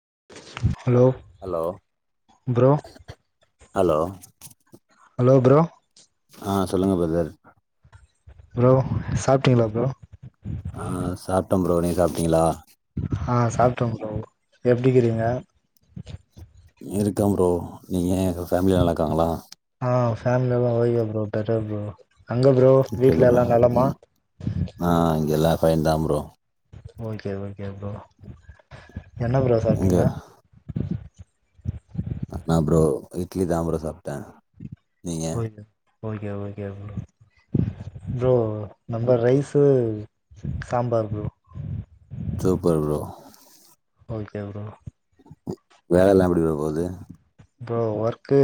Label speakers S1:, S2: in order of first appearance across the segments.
S1: [unintelligible]
S2: Hello
S1: bro
S2: hello
S1: hello bro
S2: ஆஹ் சொல்லுங்க brother
S1: bro சாப்பிட்டீங்களா ப்ரோ
S2: ஆஹ் சாப்ட்ட பரோ நீங்க சாப்ட்டீங்களா
S1: ஆ சாப்பிட்டோம் ப்ரோ எப்படிக்கிறீங்க
S2: இருக்கான் ப்ரோ நீங்க ஃபேமிலி நல்லா இருக்காங்களா
S1: ஆஹ் ஃபேமிலில ஓகே ப்ரோ டன் [inaudible] அங்க ப்ரோ
S2: ஓகே
S1: வீட்டுல
S2: ப்ரோ
S1: எல்லா நலமா
S2: ஃபைன்தா ப்ரோ
S1: ஓகே ஓகே ப்ரோ என்ன ப்ரோ
S2: இங்க
S1: சாப்டீங்க
S2: ஆமாம் ப்ரோ இட்லி தான் ப்ரோ சாப்டேன் நீங்க
S1: okay okay okay bro bro நம்ப rice sambar bro
S2: super bro
S1: okay bro
S2: வேலை எல்லாம் எப்படி ப்ரோ போகுது
S1: ப்ரோ ஒர்க்கு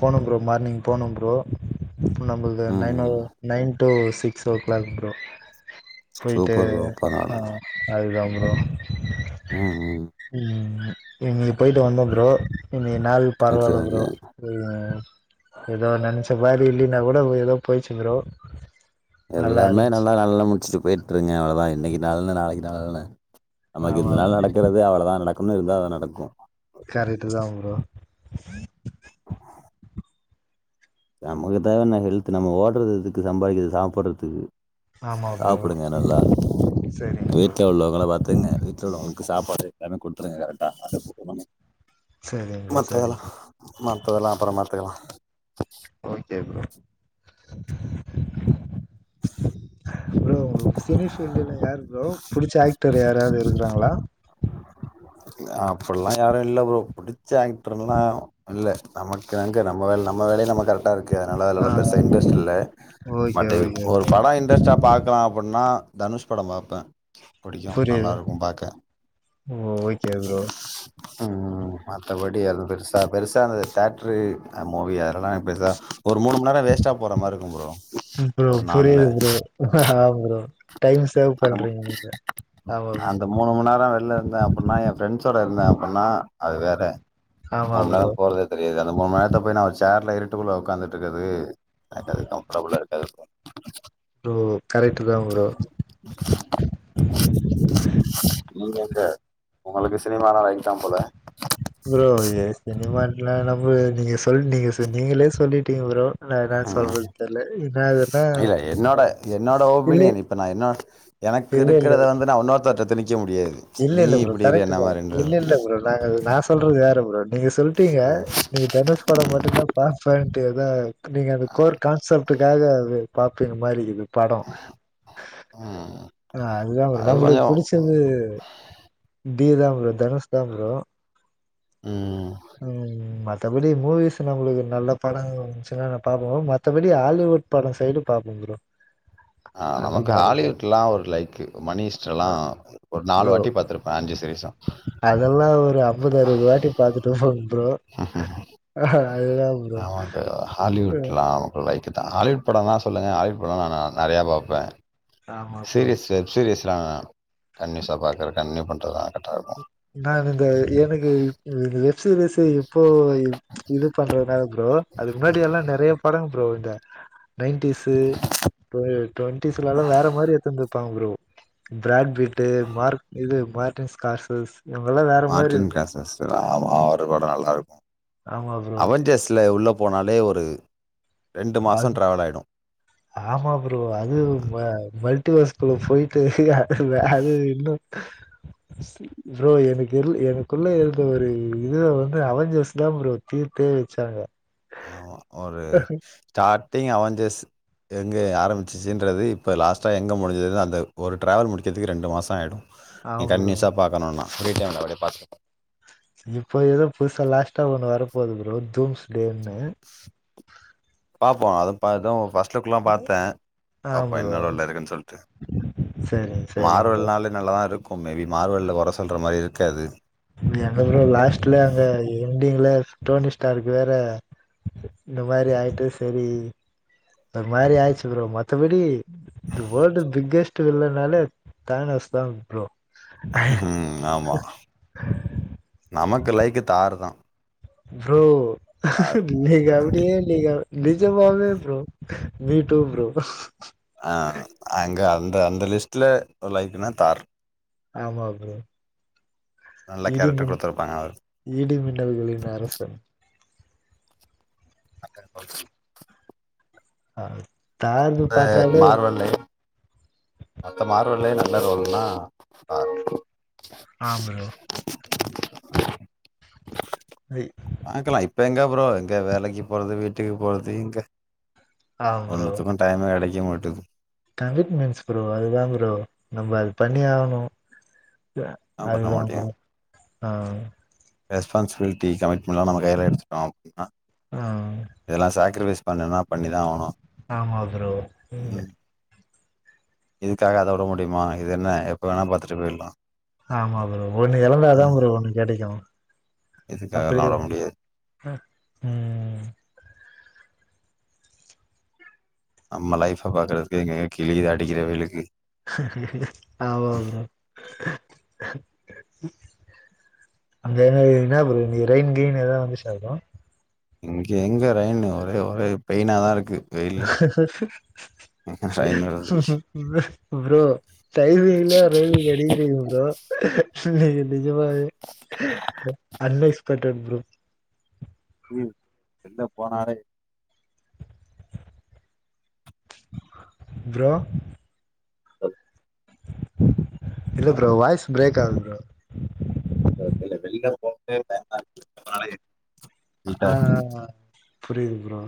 S1: போகணும் ப்ரோ மார்னிங் போகணும் ப்ரோ நம்மளு
S2: ம் ம்
S1: nine hour nine today six o'clock bro போயிட்டு
S2: சூப்பர் ப்ரோ பரவால்ல
S1: ஆஹ் அதுதம் ப்ரோ
S2: ம் ம்
S1: உம் இங்க கயிடு வந்தோம் ப்ரோ இல்யே நாள்
S2: ஓகே
S1: பரவாயில்ல
S2: ஓகே
S1: ப்ரோ வேல் ஏதோ நினைச்ச மாதிரி இல்லன்னா கூட ஏதோ போய்ச்சுப்றோ
S2: எல்லாமே நல்லா நல்ல முடிச்சிருக்கும் போயிட்டுருங்க அவ்வளோதான் இன்னைக்கு நளன்னு நாளைக்கு நாளன்னு நமக்கு
S1: ஆமா
S2: இந்தான
S1: ப்ரோ
S2: நடக்கிறது அவ்வளதான் நட உண்மையிலுமே இது தான் நடக்கும்
S1: கரைடு தாம் ப்ரோ
S2: நமக்குத் தேவை என்ன ஹெல்து நம்ம ஓடுறது எதுக்கு சம்பாதிக்கறத்கு சாப்பிடடுறதுக்கு
S1: ஆமா ப்ரோ
S2: சாப்பிடுங்க நல்லா
S1: சரிங்க ப்ரோ
S2: வீட்டுல உள்ளவங்கள பாத்துங்க வீட்டுல உள்ளவங்களுக்கு சாப்ப ல்லே கொடுத்துருங்க
S1: சரிங் ப்ரோ சரிங் ப்ரோ
S2: மத்ததெல்லாம் அப்புறம் பாத்துக்கலாம்
S1: சுடு கும் ப்ரோ சினி பீல்டுல யாரு ப்ரோ புடிச்ச ஆக்டர் யாராவது இருக்கிறாங்களா
S2: அப்படல்லாம் யாரும் இல்ல அம் புடிச்ச ஆக்டர்ல்லாம் இல்ல நமக்குங்க நம்ம நம்ம வேலைய நாம க இருக்கு அதனால
S1: ஆ
S2: அதலாம் பெருச இன்டரஸ்ட் இல்லை
S1: ஓகே
S2: பட்
S1: ஓகே
S2: ஒரு
S1: ப்ரோ
S2: படம் இன்டரெஸ்ட்டா பாக்கலாம் அப்டின்னா தனுஷ் படம் பார்ப்பேன் புடிக்கும் நல்லா இருக்கும் பாக்க
S1: ஓ ஓகே ப்ரோ
S2: உம் உம் மத்தபடி எதும் பெருசா -பெருசா அந்த தியேட்ரு மூவி அதெல்லா பெருசா ஒரு மூணு மணி நேரம் வேஸ்ட்டா போற மாரி இருக்கும் ப்ரோ
S1: ப்ரோ
S2: ஒரு நாள்ல
S1: புரியுது ப்ரோ ஆ ப்ரோ டைம் சேவ்
S2: அந்த
S1: பண்றீங்க நீங்க ஆமா ப்ரோ
S2: அந்த மூணு மணி நேர வெளில இருந்தே அப்டின்னா என் ஃப்ரெண்ட்ஸோட இருந்தே அப்டின்னா அது வேற
S1: ஆமா
S2: மூணு மணி
S1: ப்ரோ
S2: நேரோ போறதே தெரியாது அந்த மூணு மணி நேரத்த போய் நான் அந்த சேர்ல இருந் ட்டுக்குள்ள உக்காந்துட்டு இருக்றது எனக்கு அது கம்ஃபர்ட்டபுளா இருக்காது ப்ரோ
S1: [unintelligible] ப்ரோ
S2: நீங்க எங்க உங்களுக்கு சினிமான [inaudible] போல
S1: ப்ரோ ஏ சினிமாலாம் என்ன ப்ரோ நீங்க சொல் நீங்க செஞ் நீங்களே சொல்லிட்டீங்க ப்ரோ நா என்ன
S2: ஹம்
S1: சொல்றது தெர்ல என்னாதுன்னா
S2: இல்ல என்னோட- என்னோட
S1: இல்ல
S2: ஒபீனியன் இப்ப நான் என்னா எனக்கு
S1: இல்ல இல்ல
S2: இருக்கிறத
S1: ப்ரோ.
S2: வந்து நான் இன்னொருத்தர்ட்ட திணிக்
S1: இல்ல- இல்ல ப்ரோ கரெக்ட் ப்ரோ இல்ல- இல்ல ப்ரோ நாங்க நான் சொல்றது வேற ப்ரோ நீங்க சொல்ட்டீங்க நீங்க தனுஷ் படம் மட்டும்தா பாப்பேனு எத நீங்க அந்த கோர் கான்செப்டுக்காக அது [unintelligible] மாரி இருக்குது படோ
S2: ம்
S1: ஆஹ் அதுதா ப்ரோ
S2: அது
S1: நம்மளுக்கு
S2: கொஞ்சோ
S1: புடிச்சது தீதாம் ப்ரோ தனுஷ்தா ப்ரோ
S2: உம்
S1: உம் மத்தபடி மூவி செரி நம்மளுக்கு ஒரு நல்ல படோ வந்துச்சுனா நா பாப்பே ப்ரோ மத்தபடி ஹாலிவுட் படோ சைடு பாப்பே ப்ரோ
S2: ஆ
S1: அந்த
S2: நமக்கு
S1: மாரிதா
S2: ஹாலிவுட்லா ஒரு லைக் மணிஹெய்ஸ்ட்
S1: ஆ
S2: எல்லா ஒரு நாலு
S1: ப்ரோ
S2: வாட்டி பாத்திருப்பே அஞ்சு தேஷா
S1: அ அம்பது அறுவது வாட்டி பாத்துட்ட ப்ரோ ஆஹ் அதுதா ப்ரோ ஆ
S2: ஆ ஹாலிவுட் படம்னா சொல்லுங்க ஹாலிவுட் படம்லா நா நெறைய பாப்பே
S1: ஆமா ப்ரோ
S2: சீரீஸ் வெப் சீரீஸ் ஆ கண்ட்னியூஸா பாக்கறே கண்ட்னியூ பண் அதான்
S1: நானு இந்த எனக்கு [unintelligible] சீரியஸ் இப்போ இது பண்றதுனால ப்ரோ அதுக்கு முன்னாடி எல்லாம் நிறைய படம் ப்ரோ இந்த நைண்டிஸு ட்டுவண்டிஸு எல்லாரு வேற மாதிரி எடுத்திருந்துருப்பாங்க ப்ரோ [unintelligible] காசஸ்
S2: மார்ட்டின் காஸ்ஸ் ஆமா அவரு கூட நல்லா இருக்கும்
S1: ஆமா ப்ரோ
S2: அவஞ்சேர்ஸ்ல உள்ள போனாலே ஒரு மாசம்
S1: அது
S2: ட்ராவல் ஆயிடும்.
S1: ஆமா ப்ரோ அது வ க்குள்ள போயிட்டு அது அது இன்னும் ப்ரோ எனக்கு எனக்குள்ள இருந்த ஒரு இது வந்து அவஞ்சர்ஸ் தான் ப்ரோ தீர்த்தே வச்சாங்க அஹ
S2: ஸ்டார்டிங் அவஞ்சர்ஸ் எங்கே ஆரம்பிச்சுசுன்றது இப்போ லாஸ்ட்டா எங்கே முடிஞ்சது அந்த ஒரு டிராவல் முடிக்கிறதுக்கு ரெண்டு மாதம் ஆகிடும் நீ
S1: ஆமா ப்ரோ.
S2: கன்னிசா பார்க்கணும்னா [unintelligible]
S1: இப்ப ஏதோ புதுசா லாஸ்ட்டா ஒண்ணு வரப்போகுது ப்ரோ தூம்ஸ்ட்டே னு
S2: [unintelligible] வீட்டக்குலாம் பார்த்தேன்
S1: ஆ
S2: பாப்போ
S1: ப்ரோ.
S2: என்னதா உள்ள இருக்குன்னு சொல்லிட்டு
S1: சரிங்க, சரிங்க ப்ரோ.
S2: மார்வல்னாலே நல்லா தான் இருக்கும் மேபி மார்வலில் குற சொல்ற மாதிரி கது
S1: எங்க ப்ரோ லாஸ்ட்ல அங்க எண்டிங்ல டோனி ஸ்டார்க்கு வேற இந்த மாதிரி ஆயிடுச்சு சரி இந்த மாதிரி ஆயிச்சு ப்ரோ மத்தபடி தெ வேர்ல்டு் பிக்கெஸ்ட்டு வில்லைனாலே தானஸ் தான் ப்ரோ
S2: ஹம் ஆமா நமக்கு லைக்கு தாரு தான்
S1: ப்ரோ
S2: தார்
S1: நீங்க
S2: அது கிடையாது
S1: அப்டியே நீங்க நிஜமாவே ப்ரோ மீ டூ ப்ரோ
S2: ஆஹ் அங்க அன் அ அந்த லிஸ்ட்ல லைக்னா தார்
S1: ஆமா ப்ரோ
S2: நல்ல
S1: இடி
S2: கேரக்டர்
S1: மின்
S2: கொடுத்துருப்பாங்க அவர்
S1: இடி மின்னல்களின் அரசன்
S2: [inaudible]
S1: ஆஹ் தார்ந்து பார்த்தாலே
S2: அந்த மார்வெள்ளே நல்லா ரோல்னா ஆஹ்
S1: ஆம் ப்ரோ
S2: பாக்கலாம் இப்ப எங்க ப்ரோ எங்க வேலைக்கு போறது வீட்டுக்கு போறது இங்க
S1: ஆ ப்ரோ
S2: ஒன்னுத்துக்கும் டைம் இல்ல [unintelligible]
S1: கமிட்மெண்ட்ஸ் ப்ரோ அது தான் ப்ரோ நம்ம அது பண்ணி ஆகணும்
S2: என்ன
S1: அது
S2: பண்ண
S1: தான் ப்ரோ ஆ
S2: ரெஸ்பான்ஸ்பிலிட்டி கமிட்டிபண்ணாம நம் கையில் எடுத்துட்டோம் அப்பின்னா
S1: ஆ
S2: இதெல்லாம் சாக்கரிபேஸ் பண்ணனா பண்ணிதான் ஆகணும்
S1: ஆமா ப்ரோ
S2: ம். இதுக்காக அத விட முடியுமா இது என்ன எப்போவேணா பாத்துட்டு போயிடலாம்
S1: ஆமா ப்ரோ ஒண்ணு இழந்ததான்
S2: ம்.
S1: ப்ரோ ஒண்ணு கெடைக்கும்
S2: இதுக்காகலாம்
S1: அப்படியா
S2: விட முடியாது
S1: ம்
S2: நம்ம லைஃப் பாக்குறதுக்கு எங்க கிழிது அடிக்கிறவெய்யிளுக்கு
S1: ஆமா ப்ரோ அங்க என்ன ப்ரோ இரைன் கெயின் எதவது வந்துஷா ப்ரோ
S2: இங்க எங்க இரைனு ஒரே ஒரே போய்னதான் இருக்கு ரெயின் வருது
S1: ப்ரோ டைமிங்கில ரிலிங் கடிக்கிரிங்கா ப்ரோ நீ நிஜமாவே அட்வைஸ் பண்ற ப்ரோ
S2: ம் எங்க போனாரே
S1: ப்ரோ
S2: ஹ
S1: இல்ல ப்ரோ வாய்ஸ் பிரேக் ஆகுது ப்ரோ
S2: க வெளில போயினே இருந்த [inaudible]
S1: ஆஹஹ புரியுது ப்ரோ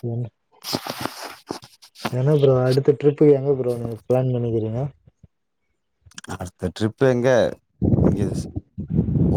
S1: உ
S2: [unintelligible]
S1: என்னா ப்ரோ அடுத்த ட்ரிப்பு எங்க ப்ரோ எங்கனு பிளான்பண்ணிக்கிறீங்க
S2: அடுத்த டிரிப்பு எங்க இங்க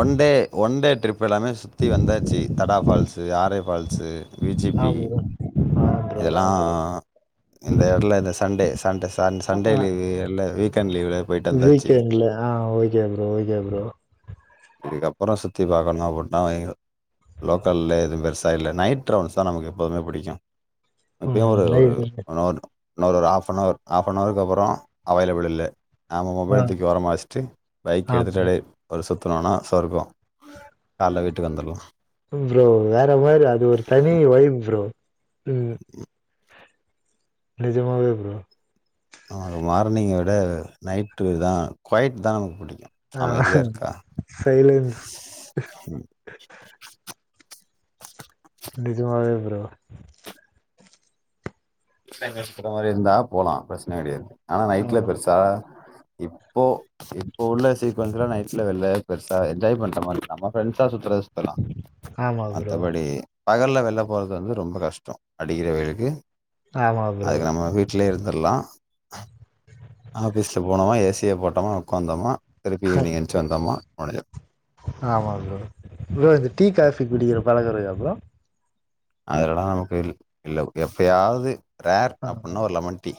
S2: ஒன்டே ஒன்டே ட்ரிப் இப்போ எல்லாமே சுத்தி வந்தாச்சு தடா ஃபால்சு ஆரை ஃபால்சு வி ஜி
S1: ஆ
S2: பி
S1: ப்ரோ ஆ ப்ரோ ஆ
S2: இதெல்லாம்
S1: ப்ரோ
S2: இந்த இடல இந்த சண்டே சண்ட சண்டே
S1: ஆ
S2: ல வீக்
S1: வீக்கெண்ட்ல ஆஹ ஓகே ப்ரோ ஓகே ப்ரோ
S2: இதுக்கப்புறம் சுற்றி பாக்கணும் நா ஒரு நாலயிடும் லோக்கலே எதுவும் பெருசாக இல்ல நைட் ரவுண்டஸ் தான் நமக்கு எப்போதுமே பிடிக்கும் இப்பயும்
S1: ம்
S2: ஒரு ஒரு
S1: ரைட்
S2: ஒன்ரு இன்னொரு ஒரு ஹாஃப்ஹவர் ஹாஃப் நவருக்கு அப்புறம் அவைலபிள் இல்லை நாம்மா
S1: ஆ
S2: மொபைலத் தூக்கி ஓரமா வச்சிட்டு பைக்
S1: ஆ ப்ரோ
S2: எடுத்துஅப்டே சுத்துனான சொர்கம்
S1: ம் ப்ரோ வேற மாரி அது ஒரு தனி வைப் ப்ரோ உம் நிஜமாவே ப்ரோ
S2: நமக்கு மார்னிங்க விட நைட்டுதா கொய்ட்தா நமக்கு பிடிக்
S1: ஆஹ் சைலன்ஸ்
S2: ம்
S1: நிஜமாவே ப்ரோ
S2: [unintelligible] இருந்தா போலா பிரச்சன கெடையாது ஆனா நைட்ல
S1: ஆமா
S2: பெருசா இப்போ இப்ப உள்ள சீக்வன்ஸ்ல நைட்ஸ்ல வெள்ள பெருசா என்ஜாய் பண்ற மாரி இல்ல நம்ம ஃபிரண்ட்ஸா சுத்தறது இப்பல்லா
S1: ஆமா ப்ரோ
S2: மத்தபடி பகல்ல வெள்ள போறது வந்து ரொம்ப கஷ்டோ அடிக்கிற வெயிலுக்கு
S1: ஆமா ப்ரோ
S2: அதுக்கு நம்ம வீட்லயே இருந் அதெல்லா ஆஃபீஸ்ல போனம்னா ஏஸ் டிவி போட்டமா உக்காந்தமா திருப்பி இனி எந்த்ச்சு வந்தம்னா [unintelligible]
S1: ஆமா ப்ரோ ப்ரோ இந்த டீ காஃபி குடிக்கிற பழக்கோ இருக்கா ப்ரோ
S2: அதல்லா நமக்கு இல் இல்ல எப்பயாவது ரேர்
S1: ஆஹ்
S2: அப்புட்னா ஒரு லெமன் டீ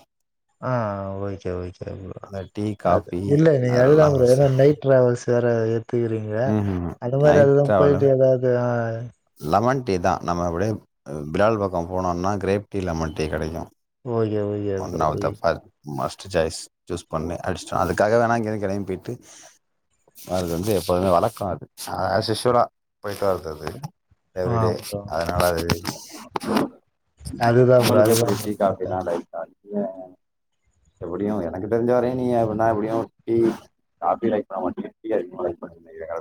S1: ஆஹ் ஓகே ஓகே ப்ரோ
S2: இந்த டீ
S1: அது
S2: காஃபி
S1: இல்ல நீங்க அதுதா
S2: அதெல்லா
S1: ப்ரோ
S2: பெருசா
S1: ஏன்னா நைட் டிராவல்ஸ் வேற இத் பாத்துக்குறீங்க
S2: ம்ஹூம்
S1: அந்த மாரி
S2: நைட்
S1: அததுஎல்லாம்
S2: ட்ராவலு
S1: போயிட்டு ஏதாவது
S2: லெமன் டீ தான் நம்ம அப்டியே பிரேயில் பக்கம் போனோம்னா கிரேப் டீ லெமன் டீ கெடைக்கும்
S1: ஓகே ஓகே
S2: ஒன்
S1: ப்ரோ
S2: ஆப்
S1: ஓகே
S2: தஸ் மஸ் ஜாய்ஸ்ட் சூஸ் பண்ணு அடிச்சட்டோம் அதுக்காக வேணா இங்கேயந்கிளையையும் போயி்டட்டு அது வந்து எப்போதுமே வளர்க்கம் அது அதது அசுஷூலா போயிட்டு வருதுது
S1: ஆ
S2: எவரி டே
S1: ப்ரோ
S2: அதனால அதுனால அது [unintelligible]
S1: அதுதா ப்ரோ
S2: நாலு
S1: அதுதா
S2: போப்பர்
S1: ப்ரோ கேட்டே
S2: [inaudible] [inaudible] [inaudible] எப்டியும் எனக்கு தெரிஞ்ச வரையும் நீப்படின்னா எப்டியும் டி காபி ரை பண்ண மாட்டிங்க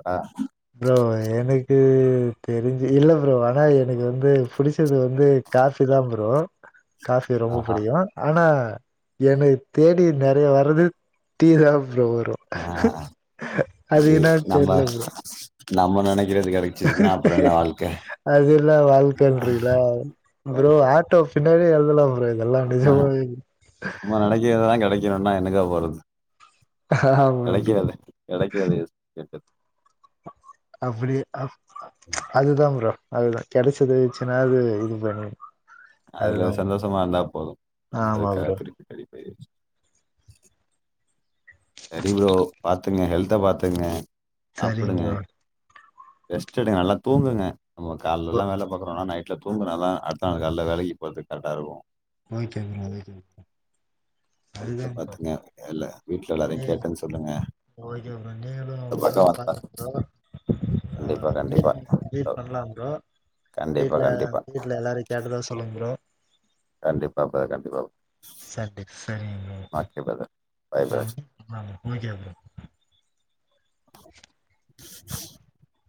S1: ப்ரோ எனக்கு அது தெரிஞ்சு இல்ல ப்ரோ ஆனா எனக்கு வந்து புடிச் புடிச்சது வந்து காபி தான் ப்ரோ [inaudible] காபி ரொம்ப
S2: ஆஹா
S1: பிடிக்கும் ஆனா என்னைய தேடி நெறைய வரது தீ [inaudible] அழவ வரும்
S2: ஆ
S1: அது என்னு தெரியல ப்ரோ
S2: நம நனக்கு
S1: [inaudible] அததுல்லாம் வாழ்க்கல்றங்களா ப்ரோ ஆட்டோ பின்டி எதுல்லாம் [inaudible] எல்லாம் டிச போயி
S2: ணும்ன்னா எனக்கா போராது
S1: ஆமா ப்ரோ
S2: கெடைக்கது கெடைக்கது கேட்டது
S1: அப்டி அப் அதுதான் ஃரோ அதுதான் கிடைச்சதச்சுன்னா அது இது பண்ணி
S2: அதுல
S1: அதுதா ப்ரோ
S2: சந்தோஷமா இருந்தா போதும் நம்ம
S1: ஆமா
S2: அதுக்கு
S1: ப்ரோ
S2: திருப்பி [inaudible] [unintelligible] நீங்க ஹெல்த பாத்துங்க சாப்புடுங்க
S1: செரிங்கா ப்ரோ
S2: ரெஸ்ட் எடுங்க நல்லா தூங்குங்க நம
S1: ஓ
S2: காலாம் வேல பாக்கறோனா நைட் இப்ப தூங்குனாதா அடுத்த நாள் வேலகி அடுத்த நாள் கால்ல போகரதுக்கு கரெக்டாக இருக்கும்
S1: [inaudible] நீ ஓகே
S2: ஹெல்த்த பாத்துங்க இல்ல வீட்ல எல்லாரையு கேட்டேன்னு சொல்லுங்க
S1: ப்ரோ நீங்களும்
S2: இந்த பக்கோ
S1: உடம்பு
S2: வந்தா
S1: பாத்துங்க ப்ரோ
S2: கண்டிப்பா கண்டிப்பா
S1: வீ் பண்ணலாம்ரோம்
S2: கண்டிப்பா
S1: வீடல
S2: கண்டிப்பா
S1: வீட்டுல எல்லாரும் கேட்டுதான் சொல்ல ஹலோ
S2: கண்டிப்பாப்ப கண்டிப்பா
S1: செரி செரிங்க
S2: okay brother bye
S1: bro
S2: brother
S1: okay bro
S2: [inaudible]